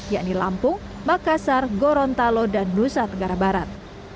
yakni lampung makassar gorontalo dan nusa tenggara barat